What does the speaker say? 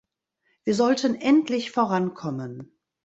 Wir sollten endlich vorankommen.